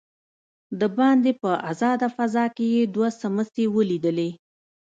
دباندې په آزاده فضا کې يې دوه سمڅې وليدلې.